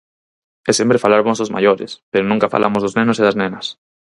E sempre falamos dos maiores, pero nunca falamos dos nenos e das nenas.